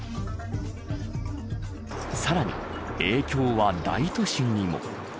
さらに影響は大都市にも。